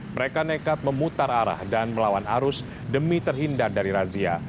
mereka nekat memutar arah dan melawan arus demi terhindar dari razia